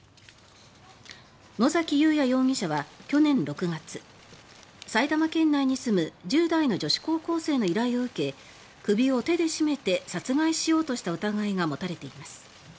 野崎祐也容疑者は去年６月埼玉県内に住む１０代の女子高校生の依頼を受け首を手で絞めて殺害しようとした疑いが持たれています。